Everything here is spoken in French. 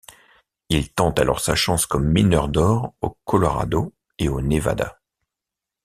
Il tente alors sa chance comme mineur d’or au Colorado et au Nevada.